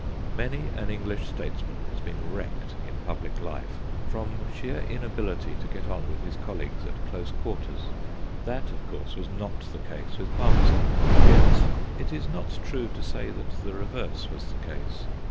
Many an English statesman has been wrecked in public life from sheer inability to get on with his colleagues at close quarters : that, of course, was not the case with Palmerston, yet it is not true to say that the reverse was the case.